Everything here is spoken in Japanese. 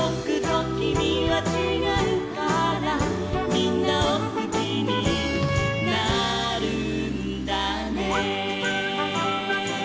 「みんなをすきになるんだね」